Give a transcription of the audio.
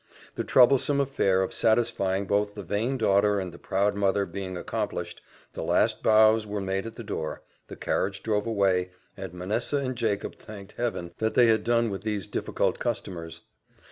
The troublesome affair of satisfying both the vain daughter and the proud mother being accomplished the last bows were made at the door the carriage drove away, and Manessa and Jacob thanked Heaven that they had done with these difficult customers.